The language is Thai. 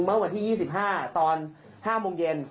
เมื่อวันที่๒๕ตอน๕โมงเย็น